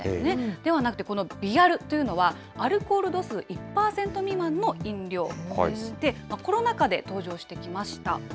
ではなくて、この微アルというのは、アルコール度数１％未満の飲料でして、コロナ禍で登場してきました。